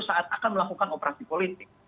saat akan melakukan operasi politik